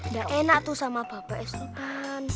gak enak tuh sama bapak es sultan